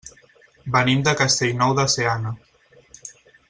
Venim de Castellnou de Seana.